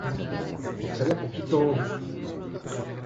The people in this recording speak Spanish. El puente fue construido con arenisca de Bohemia.